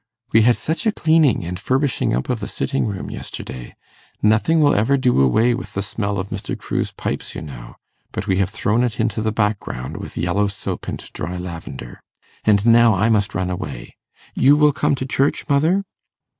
We had such a cleaning and furbishing up of the sitting room yesterday! Nothing will ever do away with the smell of Mr. Crewe's pipes, you know; but we have thrown it into the background, with yellow soap and dry lavender. And now I must run away. You will come to church, mother?